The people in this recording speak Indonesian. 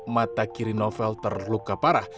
mata kiri novel terluka parah